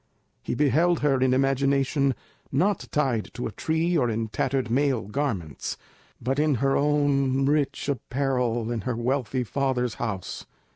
He beheld her in imagination, not tied to a tree, or in tattered male garments, but in her own rich apparel in her wealthy father's house.